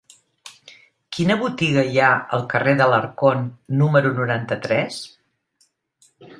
Quina botiga hi ha al carrer d'Alarcón número noranta-tres?